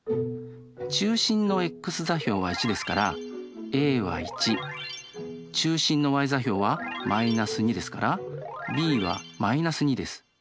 中心のｘ座標は１ですからａは１中心のｙ座標は−２ですからｂは−２です。